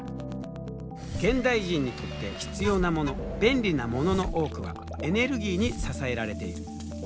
現代人にとって必要なもの便利なものの多くはエネルギーに支えられている。